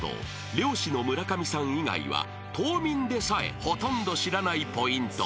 ［漁師の村上さん以外は島民でさえほとんど知らないポイント］